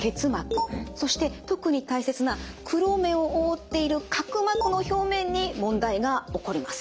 そして特に大切な黒目を覆っている角膜の表面に問題が起こります。